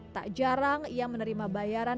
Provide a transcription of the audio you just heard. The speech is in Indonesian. tak jarang ia menerima bayaran